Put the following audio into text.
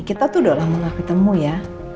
kita tuh udah lama gak ketemu ya